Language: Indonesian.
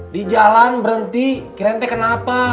di jalan berhenti kira kira kenapa